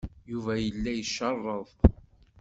Yuba yella icerreḍ.